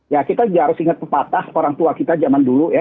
ya kita harus ingat pepatah orang tua kita zaman dulu ya